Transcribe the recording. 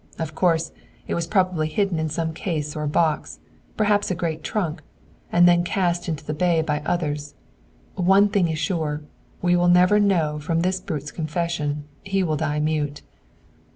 Of course, it was probably hidden in some case or box, perhaps a great trunk, and then cast into the bay by others. One thing is sure, we will never know from this brute's confession. He will die mute."